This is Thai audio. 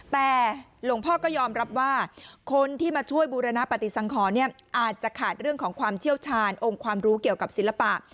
แต่หลวงพ่อก็ยอมรับว่าคนที่มาช่วยบูรณปฏิสังขรอาจจะขาดเรื่องของความเชี่ยวชาญองค์ความรู้เกี่ยวกับศิลปะ